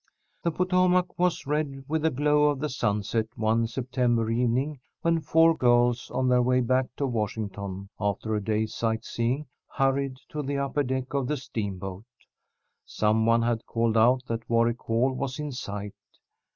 The Potomac was red with the glow of the sunset one September evening, when four girls, on their way back to Washington after a day's sightseeing, hurried to the upper deck of the steamboat. Some one had called out that Warwick Hall was in sight.